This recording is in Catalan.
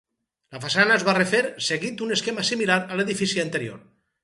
La façana es va refer seguint un esquema similar a l'edifici anterior.